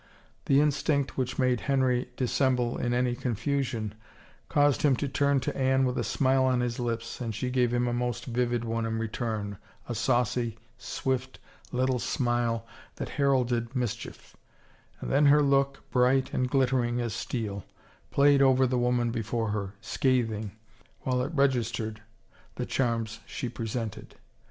The instinct which made Henry dissemble in any con fusion caused him to turn to Anne with a smile on his lips and she gave him a most vivid one in return, a saucy, swift little smile that heralded mischief, and then her look, bright and glittering as steel, played over the woman before her, scathing, while it registered, the charms she presented.